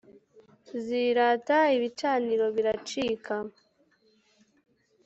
Zirata ibicaniro biracika